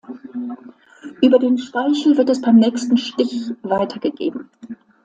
Über den Speichel wird es beim nächsten Stich weitergegeben.